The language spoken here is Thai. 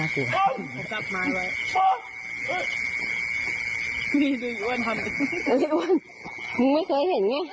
คุณไม่เคยเห็นแห้ง